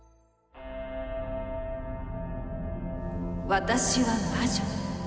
私は魔女。